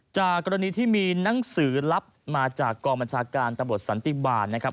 จากกรณีที่มีหนังสือรับมาจากกองบัญชาการตำรวจสันติบาลนะครับ